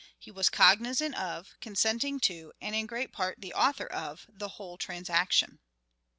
He was cognizant of, consenting to, and in great part the author of, the whole transaction.